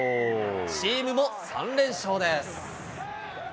チームも３連勝です。